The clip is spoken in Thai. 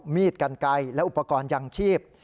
มีดกันไกลและอุปกรณ์ยังชีพ